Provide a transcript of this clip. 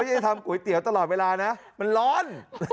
จะทำก๋วยเตี๋ยวตลอดเวลานะมันร้อน